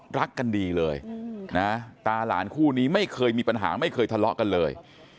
รักกันดีเลยนะตาหลานคู่นี้ไม่เคยมีปัญหาไม่เคยทะเลาะกันเลย